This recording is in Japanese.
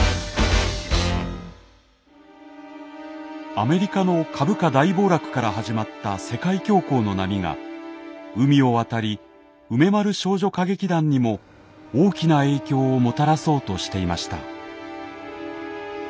アメリカの株価大暴落から始まった世界恐慌の波が海を渡り梅丸少女歌劇団にも大きな影響をもたらそうとしていました。